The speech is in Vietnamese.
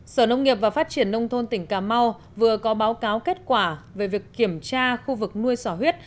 sở nông nghiệp và phát triển nông thôn tỉnh cà mau vừa có báo cáo kết quả về việc kiểm tra khu vực nuôi sỏ huyết